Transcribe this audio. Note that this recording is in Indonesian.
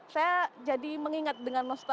saya jadi mengingat dengan nostal